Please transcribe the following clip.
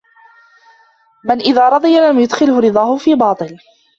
مَنْ إذَا رَضِيَ لَمْ يُدْخِلْهُ رِضَاهُ فِي بَاطِلٍ